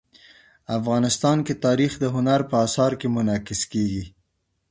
افغانستان کې تاریخ د هنر په اثار کې منعکس کېږي.